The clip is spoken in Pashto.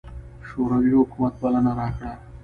شوروي حکومت بلنه راکړه.